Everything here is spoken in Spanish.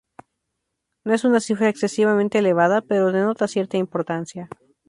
No es una cifra excesivamente elevada, pero denota cierta importancia.